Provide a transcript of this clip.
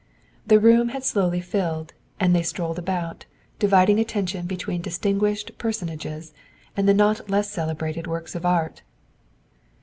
The room had slowly filled and they strolled about, dividing attention between distinguished personages and the not less celebrated works of art.